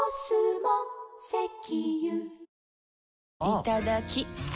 いただきっ！